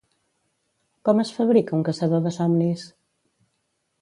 Com es fabrica un caçador de somnis?